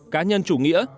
cá nhân chủ nghĩa